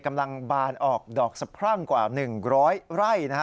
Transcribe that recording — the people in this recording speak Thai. กำลังบานออกดอกสัแพร่งกว่า๑๐๐ไร่นะฮะ